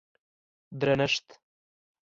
درنښت